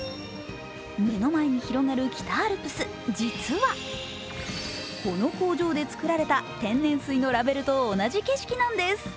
目の前に広がる北アルプス、実はこの工場で作られた天然水のラベルと同じ景色なんです。